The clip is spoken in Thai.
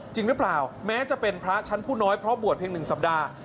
จริงหรือเปล่าแม้จะเป็นพระชั้นผู้น้อยเพราะบวชเพียง๑สัปดาห์